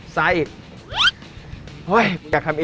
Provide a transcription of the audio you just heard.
ซ้ายอีก